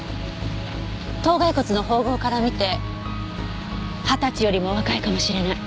頭蓋骨の縫合から見て二十歳よりも若いかもしれない。